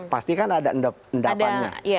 pasti kan ada endapannya